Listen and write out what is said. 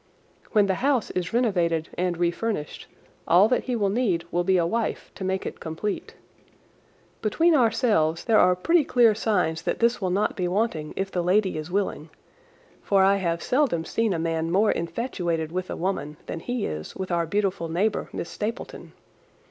When the house is renovated and refurnished, all that he will need will be a wife to make it complete. Between ourselves there are pretty clear signs that this will not be wanting if the lady is willing, for I have seldom seen a man more infatuated with a woman than he is with our beautiful neighbour, Miss Stapleton.